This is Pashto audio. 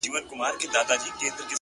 • پوري زهر د خپل ښکار د غوښو خوند سو,